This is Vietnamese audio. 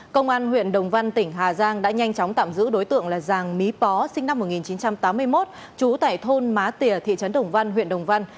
công an huyện đồng văn tỉnh hà giang đã nhanh chóng tạm giữ đối tượng là giàng mí pó sinh năm một nghìn chín trăm tám mươi một trú tại thôn má tỉa thị trấn đồng văn huyện đồng văn